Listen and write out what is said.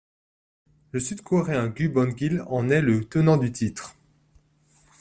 Le Sud-Coréen Gu Bon-gil en est le tenant du titre.